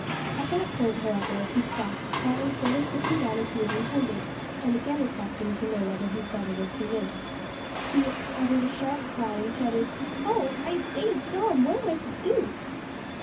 At that point, however, he stuck, but instead of slipping down as he had intended, and again requesting to know whether his brother was convinced, he uttered a sharp cry, and shouted "Oh! I say, Dom, what am I to do?"